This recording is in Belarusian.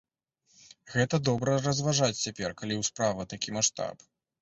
Гэта добра разважаць цяпер, калі ў справа такі маштаб.